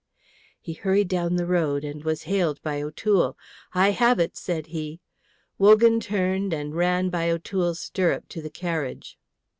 He hurried down the road and was hailed by O'Toole. "I have it," said he. Wogan turned and ran by O'Toole's stirrup to the carriage.